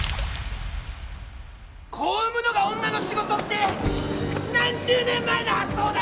・子を産むのが女の仕事って何十年前の発想だ！